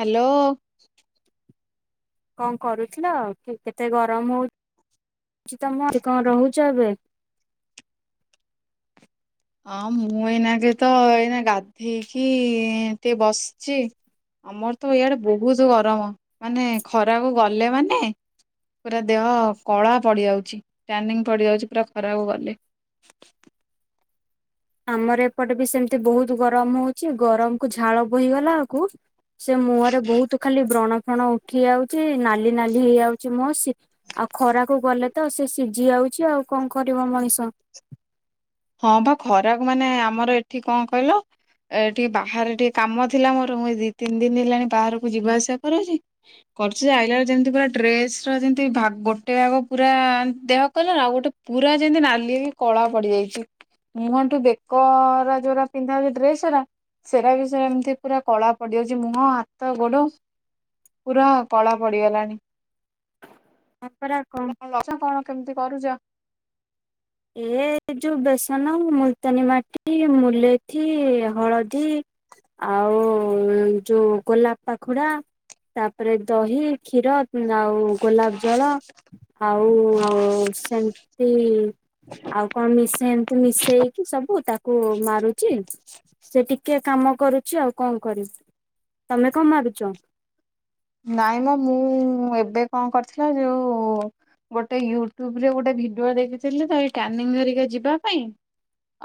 Hello. କଣ କରୁଥିଲ କେତେ ଗରମ ହଉଚି ତମ କଣ ରହୁଛ ଏବେ? ହଁ ମୁଁ ଏଇନା କେ ତ ଏଇନା ଗାଧେଇକି ଟେ ବସିଛି। ଆମର ତ ଏଇଆଡେ ବହୁତ ଗରମ ମାନେ ଖରାକୁ ଗଲେ ମାନେ ପୁରା ଦେହ କଳା ପଡ଼ିଯାଉଛି ଟାନିଙ୍ଗ ପଡ଼ିଯାଉଛି ପୁରା ଖରା କୁ ଗଲେ। ଆମର ଏପଟେ ବି ସେମିତି ବହୁତ ଗରମ ହଉଛି। ଗରମ କୁ ଝାଳ ବୋହିଗଲା ଆକୁ ସେ ମୁହଁରେ ବହୁତ ଖାଲି ବ୍ରଣ ଫ୍ରଣ ଉଠି ଯାଉଛି। ନାଲି ନାଲି ହେଇଯାଉଛି। ମୋ ଆଉ ଖରାକୁ ଗଲେ ତ ସେ ସିଝି ଯାଉଛି ଆଉ କଣ କରିବ ମଣିଷ। ହଁ ବା ଖରାକୁ ମାନେ ଆମର ଏଠି କଣ କହିଲ? ଏ ଟିକେ ବାହାରେ ଟିକେ କାମ ଥିଲା ମୋର ମୁଁଇ ଦି ତିନି ଦିନ ହେଲାଣି ବାହାରକୁ ଯିବା ଆସିବା କରୁଛି। କରୁଛି ଆଇଲା ବେଳ କୁ ଯେମିତି ପୁରା ଡ୍ରେସ ର ଯେମିତି ଗୋଟେ ଭାଗ ପୁରା ଦେହ କଲର ଆଉ ଗୋଟେ ପୁରା ଯେମିତି ନାଲି ହେଇ କଳା ପଡିଯାଇଚି। ମୁହଁଠୁ ବେକର ଯୋଉରା ପିନ୍ଧା ହୁଏ ଡ୍ରେସ ଗୁରା ସେରା ବି ସେମତି ପୁରା କଳା ପଡିଯାଉଚି ମୁହଁ, ହାତ, ଗୋଡ। ପୁରା କଳା ପଡିଗଲାଣି। ହଁ ପରା କଣ [unintelligible] ଅଛ କଣ କେମିତି କରୁଚ? ଏ ଯୋଉ ବେସନ ମୁଲତାନୀ ମାଟି, ମୁଲେଇଥି ହଳଦୀ ଆଉ ଯୋଉ ଗୋଲାପ ପାଖୁଡା ତାପରେ ଦହି, କ୍ଷୀର ଆଉ ଗୋଲାପ ଜଳ, ଆଉ ସେମତି ଆଉ କଣ ମିଶେଇ ଏମତି ମିଶେଇକି ସବୁ ତାକୁ ମାରୁଚି, ସେ ଟି କେ କାମ କରୁଛି ଆଉ କଁ କରିବି, ତମେ କଁ ମାରୁଚ? ନାଇଁ ମ ମୁଁ ଏବେ କଁ କରିଥିଲା ଯୋଉ ଗୋଟେ ୟୁଟ୍ୟୁବରେ ଗୋଟେ ଭିଡିଓ ଦେଖିଥିଲି ତ ଏଇ ଟ୍ୟାନିଙ୍ଗ ହେରିକା ଯିବା ପାଇଁ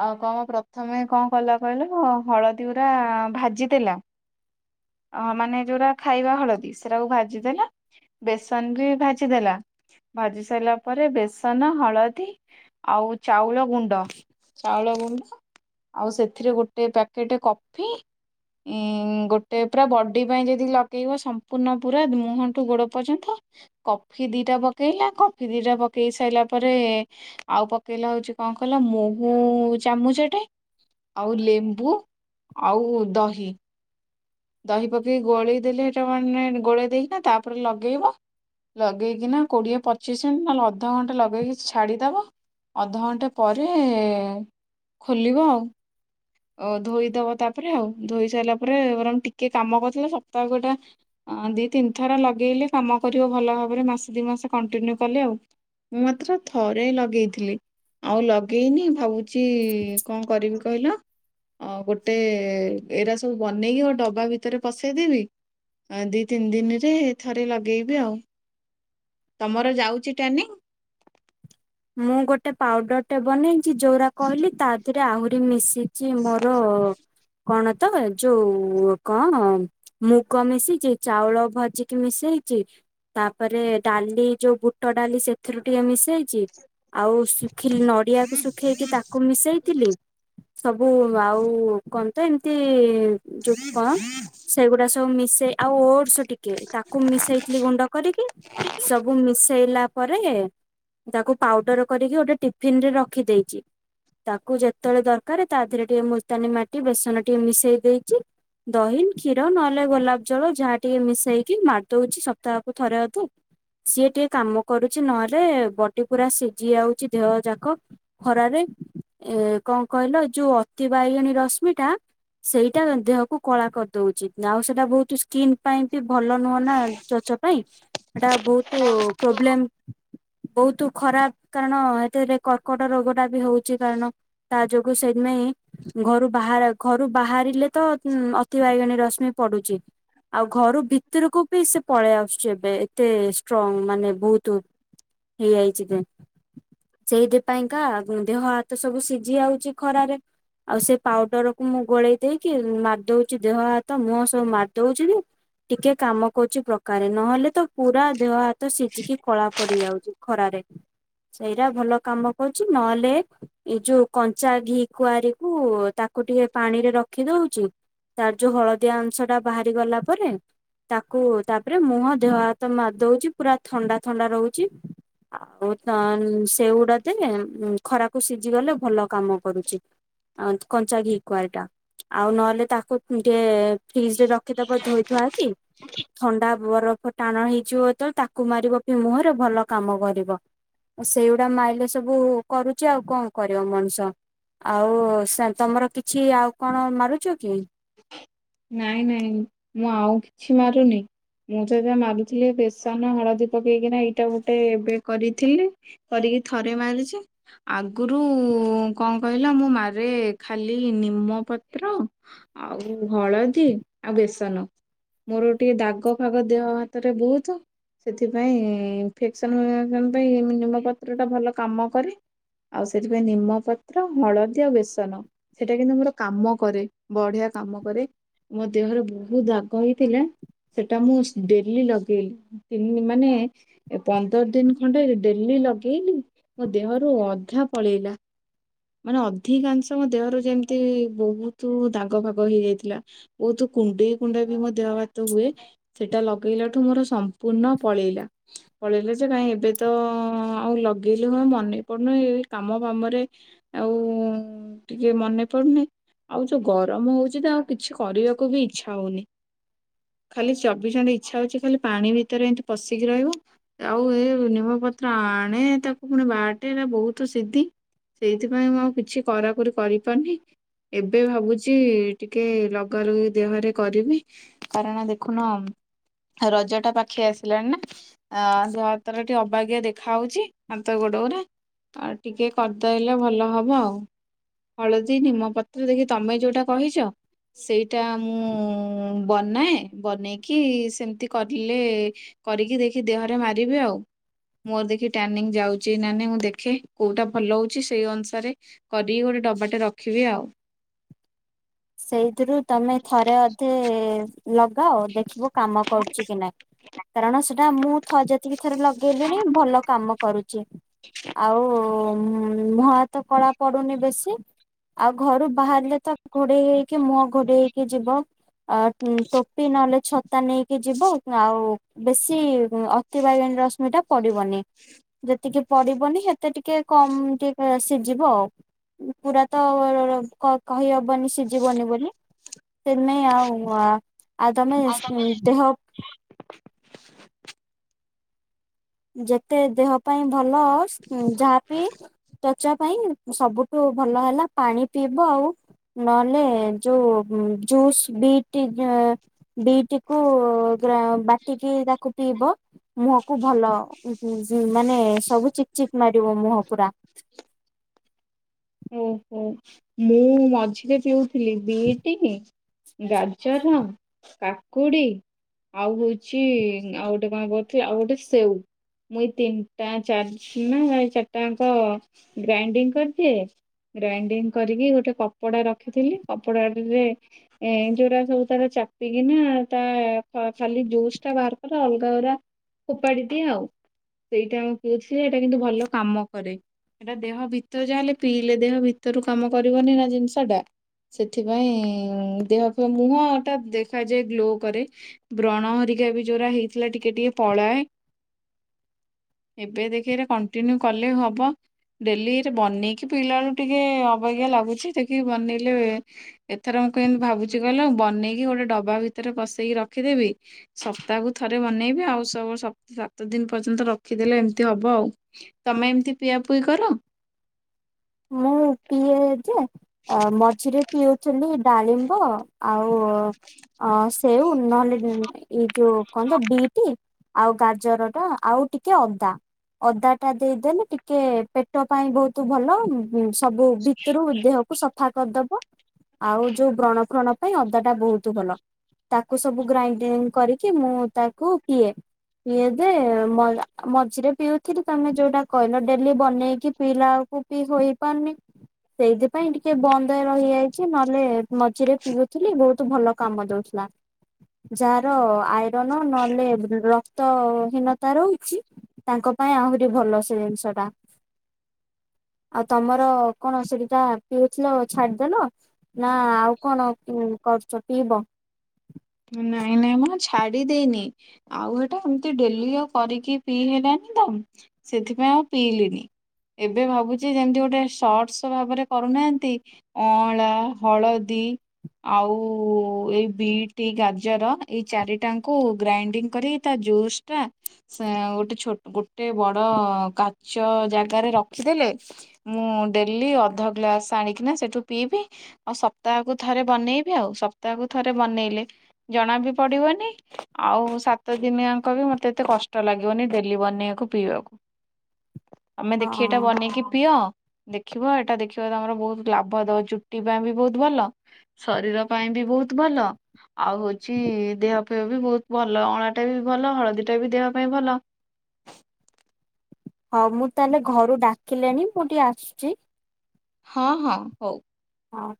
ଆଉ କଣ ପ୍ରଥମେ କଁ କଲା କହିଲ ହଳଦୀ ଗୁରା ଭାଜିଦେଲା ଅ ମାନେ ଯୋଉରା ଖାଇବା ହଳ ଦୀ ସେରାକୁ ଭାଜିଦେଲା, ବେସନ ବି ଭାଜିଦେଲା। ଭାଜି ସାଇଲା ପରେ ବେସନ, ହଳଦୀ ଆଉ ଚାଉଳ ଗୁଣ୍ଡ। ଚାଉଳ ଗୁଣ୍ଡ ଆଉ ସେଥିରେ ଗୋଟିଏ ପ୍ୟାକେଟ କଫି। ଉଁ ଗୋଟେ ପୁରା ବଡି ପାଇଁ ଯଦି ଲଗେଇବ ସ ପୂର୍ଣ୍ଣ ପୁରା ମୁହଁଠୁ ଗୋଡ ପର୍ଯ୍ୟନ୍ତ। କଫି ଦିଟା ପକେଇଲା, କଫି ଦିଟା ପକେଇ ସାଇଲା ପରେ ଆଉ ପକେଇଲା ହଉଚି କଁ କହିଲ ମୋହୁ ଚାମୁଚଟେ ଆଉ ଲେମ୍ବୁ, ଆଉ ଦହି। ଦହି ପକେଇକି ଗୋଳେଇ ଦେଲେ ସେଟା ମାନେ ଗୋଳେଇ ଦେଇକିନା ତାପରେ ଲଗେଇବ। ଲଗେଇକିନା କୋଡିଏ ପଚିଶ ମିନ ନହେଲେ ଅଧଘଣ୍ଟା ଲଗେଇକି ଛାଡିଦବ ଅଧଘଣ୍ଟେ ପରେ ଖୋଲିବ ଆଉ। ଓ ଧୋଇଦବ ତାପରେ ଆଉ, ଧୋଇ ସାଇଲା ପରେ ବରଂ ଟିକେ କାମ କରିଥିଲେ ସପ୍ତାହକୁ ଏଟା ଅଁ ଦି ତିନିଥର ଲଗେଇଲେ କାମ କରିବ ଭଲ ଭାବରେ ମାସେ ଦିଇ ମାସ କଣ୍ଟିନ୍ୟୁ କଲେ ଆଉ। ମୁଁ ମାତ୍ର ଥରେ ଲଗେଇଥିଲି, ଆଉ ଲଗେଇନି ଭାବୁ ଚି କଁ କରିବି କହିଲ? ଅ ଗୋଟେ ଏଇରା ସବୁ ବନେଇକି ଡବା ଭିତରେ ପସେଇଦେବି ଆ ଦି ତିନି ଦିନରେ ଥରେ ଲଗେଇବି ଆଉ। ତମର ଯାଉଛି ଟ୍ୟାନିଂ? ମୁଁ ଗୋଟେ ପାଉଡରଟେ ବନେଇଚି ଯୋଉରା କହିଲି ତା ସେଥିରେ ଆହୁରି ମିଶିଚି ମୋର କଣ ତ ଯୋଉ କଁ ମୁଗ ମିଶିଚି, ଚାଉଳ ଭଜିକି ମିଶେଇଚି। ତାପରେ ଡାଲି ଯୋଉ ବୁଟ ଡାଲି ସେଥିରୁ ଟିକେ ମିଶ ଇଚି, ଆଉ ଶୁଖି ନଡିଆକୁ ଶୁଖେଇକି ତା କୁ ମିଶେଇଥିଲି ସବୁ ଆଉ କଁ ତ ଏମିତି ଯୋଉ କଁ ସେଗୁରା ସବୁ ମିଶେଇ ଆଉ ୱର୍ଡସ ଟିକେ ତାକୁ ମିଶେଇଥିଲି ଗୁଣ୍ଡ କରିକି, ସବୁ ମିଶେଇଲା ପରେ ତାକୁ ପାଉଡର କରିକି ଗୋଟେ ଟିଫିନରେ ରଖିଦେଇଚି। ତାକୁ ଯେତେବେଳେ ଦରକାର ତା ଧେରେ ଟିକେ ମୁଲତାନୀ ମାଟି, ବେସନ ଟିକେ ମିଶେଇ ଦେଇଚି। ଦହି, କ୍ଷୀର ନହେଲେ ଗୋଲାପ ଜଳ ଯାହା ଟିକେ ମିଶେଇକି ମାରିଦଉଚି ସପ୍ତାହକୁ ଥରେ ଅଧେ ସିଏ ଟିକେ କାମ କରୁଚି ନହେଲେ ବଡି ପୁରା ସିଝି ଯାଉଚି ଦେହ ଯାକ ଖରାରେ। ଏ କଁ କହିଲ ଯୋଉ ଅତି ବାଇଗଣୀ ରଶ୍ମିଟା ସେଇଟା ଦେହକୁ କଳା କରିଦଉଚି ଆଉ ସେଇଟା ବହୁତ ସ୍କିନ୍ ପାଇଁ ବି ଭଲ ନୁହଁ ନା ତ୍ୱଚା ପାଇଁ, ସେଟା ବହୁତ ପ୍ରୋବ୍ଲେମ ବହୁତୁ ଖରାପ, କାରଣ ଏଥିରେ କର୍କଟ ରୋଗଟା ବି ହଉଛି କାରଣ ତା ଯୋଗୁ ସେଥିପାଇଁ ଘରୁ ବାହାର ଘରୁ ବାହାରିଲେ ତ ଅତି ବାଇଗଣୀ ରଶ୍ମି ପଡୁଛି। ଆଉ ଘରୁ ଭିତରକୁ ବି ସେ ପଳେଇ ଆସୁଛି ଏବେ ଏତେ ଷ୍ଟ୍ରଙ୍ଗ ମାନେ ବହୁତ [unintelligible] ଏବେ। ସେଇଥିପାଇଁକା ଗୁଁ ଦେହ ହାତ ସବୁ ସିଝି ଯାଉଛି ଖରାରେ। ଆଉ ସେ ପାଉଡର କୁ ମୁଁ ଗୋଳେଇ ଦେଇକି ମାରିଦଉଛି ଦେହ ହାତ ମୁଁ ସବୁ ମାରିଦଉଛି ମୂଁ ଟିକେ କାମ କରୁଚି ପ୍ରକାରେ ନହେଲେ ତ ପୁରା ଦେହ ହାତ ସିଝିକି କଳା ପଡି ଯାଉଛି ଖରାରେ ସେଇରା ଭଲ କାମ କରୁଛି ନହେଲେ ଏଇ ଯୋଉ କଞ୍ଚା ଘି କୁଆରିକୁ ତାକୁ ଟିକେ ପାଣି ରେ ରଖି ଦଉଚୁ ତାର ଯୋଉ ହଳଦିଆ ଅଂଶ ଟା ବାହାରି ଗଲା ପରେ ତାକୁ ତାପରେ ମୁହଁ ଦେହ ହାତ ମାରିଦଉଛି ପୁରା ଥଣ୍ଡା ଥଣ୍ଡା ରହୁଛି। ଆଉ ତ ସେଗୁଡା ଥିଲେ ଖରାକୁ ସିଝି ଗଲେ ଭଲ କାମ କରୁଛି। କଞ୍ଚା ଘିକୁଆଁରୀ ଟା ଆଉ ନହେଲେ ତାକୁ ଟିକେ ଫ୍ରିଜ ରେ ରଖିଦବ ଧୋଇଧୁଆ କି ଥଣ୍ଡା ବରଫ ଟାଣ ହେଇଯିବ ଯେତେବେଳେ ତାକୁ ମାରିବ ମୁହଁରେ ଭଲ କାମ କରିବ। ମୁଁ ସେଇଗୁଡା ମାଇଲେ ସବୁ କରୁଛି ଆଉ କଣ କରିବ ମଣିଷ? ଆଉ ତମର କିଛି ଆଉ କଣ ମାରୁଛ କି? ନାଇଁ ନାଇଁ ମୁଁ ଆଉ କିଛି ମାରୁନି। ମୁଁ ଟ ମାରୁଥିଲି ବେସନ, ହଳଦୀ ପକେଇକିନା ଏଇଟା ଗୋଟେ ଏବେ କରିଥିଲି। କରିକି ଥରେ ମାରିଛି ଆଗରୁ କଣ କହିଲ ମୁଁ ମାରେ ଖାଲି ନିମ ପତ୍ର ଆଉ ହଳଦୀ ଆଉ ବେସନ। ମୋର ଟିକେ ଦାଗ ଫାଗ ଦେହ ହାତରେ ବହୁତ ସେଥିପାଇଁ ଇନଫେକ୍ସନ [unintelligible] ପାଇଁ ନିମପତ୍ରଟା ଭଲ କାମ କରେ। ଆଉ ସେଥିପାଇଁ ନିମପତ୍ର, ହଳଦୀ ଆଉ ବେସନ ସେଇଟା କିନ୍ତୁ ମୋର କାମ କରେ। ବଢିଆ କାମ କରେ ମୋ ଦେହରେ ବହୁତ ଦାଗ ହେଇଥିଲା ସେଟା ମୁଁ ଡେଲି ଲଗେଇଲି ମାନେ ଏ ପନ୍ଦର ଦିନ ଖଣ୍ଡେ ଡେଲି ଲଗେଇଲି ମୋ ଦେହରୁ ଅଧା ପଳେଇଲା। ମାନେ ଅଧିକାଂଶ ମୋ ଦେହରୁ ଯେମିତି ବହୁତ ତୁ ଦାଗ ଫାଗ ହେଇଯାଇଥିଲା ବହୁତୁ କୁଣ୍ଡେଇ କୁଣ୍ଡେଇ ବି ମୋ ଦେହ ହାତ ହୁଏ ସେଇଟା ଲଗେଇଲା ଠୁ ମୋର ସମ୍ପୂର୍ଣ୍ଣ ପଳେଇଲା। ପଳେଇଲେ ଯେ କାଇଁ ଏବେ ତ ଆଉ ଲଗେଇଲେ କଣ ମନେ ପଡୁନି ଏ କାମ ବାମରେ ଆଉ ଟିକେ ମନେ ପଡୁନି। ଆଉ ଯୋଉ ଗରମ ହଉଛି ତ ଆଉ କିଛି କରିବାକୁ ବି ଇଚ୍ଛା ହଉନି। ଖାଲି ଚବିଶ ଘଣ୍ଟା ଇଚ୍ଛା ହଉଛି ଖାଲି ପାଣି ଭିତରେ ଏନ୍ତି ପଶିକି ରହିବୁ। ଆଉ ଏ ନିମପତ୍ର ଆଣେ ତାକୁ ପୁଣି ବାଟେ ଏରା ବହୁତ ସିଧି। ସେଇଥିପାଇଁ ମୁଁ ଆଉ କିଛି କରାକରି କରିପାରୁନି। ଏବେ ଭାବୁଛି ଟିକେ ଲଗା ଲଗି ଦେହରେ କରିବି। କାରଣ ଦେଖୁନ ରଜ ଟା ପାଖେଇ ଆସିଲାଣି ନା। ଅ ସେ ହାତ ର ଟିକେ ଅବାଗିଆ ଦେଖା ହଉଛି ହାତ ଗୋଡ ଗୁରା। ତ ଟିକେ କରିଦେଇଲେ ଭଲ ହବ ଆଉ ହଳଦୀ ନିମ ପ ତ ଦେଖି ତମେ ଯୋଉଟା କହିଛ ସେଇଟା ମୁଁ ବନାଏ ବନେଇକି ସେମିତି କରଲେ କରିକି ଦେଖି ଦେହରେ ମାରିଵେ ଆଉ। ମୋର ଦେଖି ଟାନିଂ ଯାଉଛି ନା ନାଇଁ ମୁଁ ଦେଖେ କୋଉଟା ଭଲ ହଉଛି ସେଇ ଅନୁସାରେ କରିକି ଗୋଟେ ଡବାଟେ ରଖିବି ଆଉ। ସେଇଥିରୁ ତମେ ଥରେ ଅଧେ ଲଗାଅ ଦେଖିବ କାମ କରୁଛି କି ନାଇଁ କାରଣ ସେଟା ମୁଁ ଥ ଯେତିକି ଥର ଲଗେଇ ଲିଣି ଭଲ କାମ କରୁଛି। ଆଉ ଉଁ ଭା ତ କଳା ପଡ଼ୁନି ବେଶୀ ଆଉ ଘରୁ ବାହାରିଲେ ତ ଘୋଡ଼େଇ ହେଇକି ମୁହଁ ଘୋଡି ହେଇକି ଯିବ ଆଁ ଟୋପି ନହେଲେ ଛତା ନେଇକି କି ଯିବ ଆଉ ବେଶୀ ଅତିବଇଗଣୀ ରଶ୍ମି ଟା ପଡ଼ିବନି। ଯେତିକି ପଡ଼ିବନି ହେତେ ଟିକେ କମ୍ ଟିକେ ସିଜିବ ଆଉ। ପୁରାତ ର ର କ କହି ହ ବନି ସିଜିବନି ବୋଲି ତେମେ ଆଉ ଆ ଆଇ ତମେ ଦେହ ଯେତେ ଦେହ ପାଇଁ ଭଲ ଯାହାବି ତ ଉଚା ପାଇଁ ସବୁଠୁ ଭଲ ହେଲା ପାଣି ପିଇବ ଆଉ ନହେଲେ ଯୋଉ ଜୁସ୍ ବିଟ୍ ଯୁଁ ବିଟିକୁ ଗ୍ରା ବାଟିକି ତାକୁ ପିଇବ ମୁହଁକୁ ଭଲ। ଉ ହୁ ଯୁ ମାନେ ସବୁ ଚିକ୍ ଚିକ୍ ମାରିବ ମୁହଁ ପୁରା। ଓହୋ ମୁଁ ମଝିରେ ପିଉଥିଲି ବିଟି ଗାଜର କାକୁଡ଼ି ଆଉ ହଉଛି ଆଉ ଗୋଟେ କଣ କରୁଥିଲି ଆଉ ଗୋଟେ ସେଉ। ମୁଇଁ ତିନିଟା ଚା ନା ଏ ଚାରିଟାଙ୍କ ଗ୍ରାଇଣ୍ଡିଙ୍ଗ କରିଦିଏ ଗ୍ରାଇଣ୍ଡିଙ୍ଗ କରିକି ଗୋଟେ କପଡ଼ା ରଖିଥିଲି କପଡାରେ ଏ ଯୋଉରା ସବୁ ତାର ଚାପିକିନା ତା ଖାଲି ଜୁସ୍ ଟା ବାହାର କର ଅଲଗା ଗୁରା ଫୋପାଡ଼ି ଦିଏ ଆଉ‌। ସେଇଟା ମୁ ପୁଇଥିଲିଯେ ଏଇଟା କିନ୍ତୁ ଭଲ କାମ କରେ ଏଟା ଦେହ ଭିତରେ ଯାହା ହେଲେ ପିଇଲେ ଦେହ ଭିତରୁ କାମ କରିବନି ନା ଜିନିଷ ଟା। ସେଥିପାଇଁ ଦେହ ଫେଅ ମୁହଁଟା ଦେଖାଯାଏ ଗ୍ଲୋ କରେ। ବ୍ରଣ ହେରିକା ବି ଯୋଉରା ହେଇଥିଲା ଟିକେ ଟିକେ ପଳାଏ‌। ଏବେ ଦେଖେ ଏଟା କଣ୍ଟିନ୍ୟୁ କଲେ ହବ ଡେଲିରେ ବନେଇକି କି ପିଲାଳୁ ଟିକେ ଅବାଗ୍ୟା ଲାଗୁଛି ତାକି ବନେଇଲେ ଏଥର ମୁଁ କେମିତି ଭାବୁଚି କଇଲ ବନେଇକି ଗୋଟେ ଡବା ଭିତରେ ପସେଇକି ରଖିଦେବି। ସପ୍ତାହକୁ ଥରେ ବନେଇବି ଆଉ ସବୁ ସା ସାତ ଦିନ ପର୍ଯ୍ୟନ୍ତ ରଖିଦେଲେ ଏମିତି ହବ ଆଉ। ତମେ ଏମିତି ପିଆ ପୁଇ କର? ମୁଁ ପିଏଯେ ଅ ମଝିରେ ପିଉଥିଲି ଡାଳିମ୍ବ ଆଉ ଅ ସେଉ ନହେଲେ ଏଇ ଯୋଉ କଣତ ବିଟି ଆଉ ଗାଜର ଟା ଆଉ ଟିକେ ଅଦା। ଅଦାଟା ଦେଇଦେଲେ ଟିକେ ପେଟ ପାଇଁ ବହୁତ୍ ଭଲ ଉଁ ହୁଁ ସବୁ ଭିତରୁ ଦେହକୁ ସଫା କରିଦବ। ଆଉ ଯୋଉ ବ୍ରଣ ଫ୍ରଣ ପାଇଁ ଅଦାଟା ବହୁତ୍ ଭଲ। ତାକୁ ସବୁ ଗ୍ରାଇଣ୍ଡିଙ୍ଗ କରିକି ମୁଁ ତାକୁ ପିଏ। ପିଏ ଦେ ମଝିରେ ପିଉଥିଲି ତମେ ଯୋଉଟା କହିଲ ଡେଲି ବନେଇକି ପିଇଲାବେଳକୁ ପି ହୋଇପାରୁନି ସେଇଥିପାଇଁ ଟିକେ ବନ୍ଦ ରହିଯାଇଛି ନହେଲେ ମଝିରେ ପିଉଥିଲି ବହୁତ୍ ଭଲ କାମ ଦଉ ଲା ଯାହାର ଆଇରନ୍ ନହେଲେ ରକ୍ତ ହୀନତା ରହୁଛି। ତାଙ୍କ ପାଇଁ ଆହୁରି ଭଲ ସେଜିନିଷ ଟା। ଆଉ ତମର କଣ ସେଠିଟା ପିଉଥିଲ ଛାଡିଦେଲ? ନା ଆଉ କଣ କରୁଛ ପିଇବ? ନାଇଁ ନାଇଁ ମୋ ଛାଡ଼ି ଦେଇନି ଆଉ ହେଟା ଏମତି ଡେଲି ଆଉ କରିକି ପିଇହଲାନି ତ ସେଥିପାଇଁ ଆଉ ପିଇଲିନି। ଏବେ ଭାବୁଛି ଯେମିତି ଗୋଟେ ସର୍ଟସ୍ ଭାବରେ କରୁନାହାନ୍ତି। ଅଁଳା ହଳଦୀ ଆଉ ଏଇ ବିଟ୍ ଟି ଗାଜର ଏଇ ଚାରିଟାଙ୍କୁ ଗ୍ରାଇଣ୍ଡିଙ୍ଗ କରି ତାଜୁସ୍ ଟା ସା ଗୋଟେ ୋଟ ଗୋଟେ ବଡ଼ କାଚ ଜାଗାରେ ରଖିଦେଲେ। ମୁଁ ଡେଲି ଅଧ ଗ୍ଲାସ୍ ଆଣିକିନା ସେଠୁ ପିଇବି ଆଉ ସପ୍ତାହକୁ ଥରେ ବନେଇବି ଆଉ ସପ୍ତାହକୁ ଥରେ ବନେଇଲେ ଜଣାବି ପଡ଼ିବନି ଆଉ ସାତ ଦିନିଆଙ୍କ ବି ମତେ ଏତେ କଷ୍ଟ ଲାଗିବନି ଡେଲି ବନେଇବାକୁ ପିଇବାକୁ। [inaudible] ଆମେ ଦେଖି ଏଟା ବନେଇକି ପିଅ ଦେଖିବ ଏଇଟା ଦେଖିବ ତମର ବହୁତ ଲାଭ ଦବ ଚୁଟି ପାଇଁ ବି ବହୁତ ଭଲ। ଶରୀର ପାଇଁ ବି ବହୁତ ଭଲ। ଆଉ ହଉଛି ଦେହ ଫେହ ବି ବହୁତ ଭଲ ଅଁଳାଟା ବି ଭଲ ହଳଦୀ ଟା ବି ଦେହ ପାଇଁ ଭଲ। ହଁ ମୁଁ ତାହେଲେ ଘରୁ ଡାକିଲେଣି ମୁଁ ଟିକେ ଆସୁଛି? ହଁ ହଁ ହଉ। ହଁ।